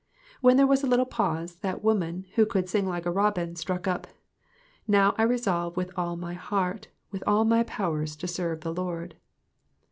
When there was a little pause, that woman, who could sing like a robin, struck up " Now I resolve, with all my heart, With all my powers, to serve the Lord."